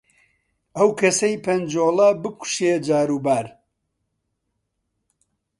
ئەو کەسەی پەنجۆڵە بکوشێ جاروبار،